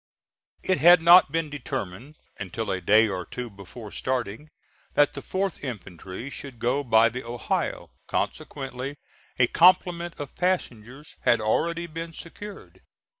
It had not been determined, until a day or two before starting, that the 4th infantry should go by the Ohio; consequently, a complement of passengers had already been secured.